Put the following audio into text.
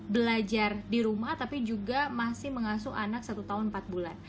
belajar di rumah tapi juga masih mengasuh anak satu tahun empat bulan